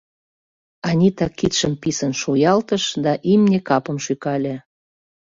Анита кидшым писын шуялтыш да имне капым шӱкале.